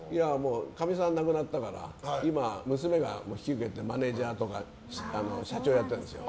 かみさん亡くなったから今は娘が引き受けてマネジャーとか社長やってるんですよ。